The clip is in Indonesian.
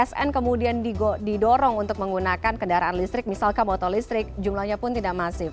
sn kemudian didorong untuk menggunakan kendaraan listrik misalkan motor listrik jumlahnya pun tidak masif